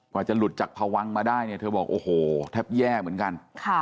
จะหลุดจากพวังมาได้เนี่ยเธอบอกโอ้โหแทบแย่เหมือนกัน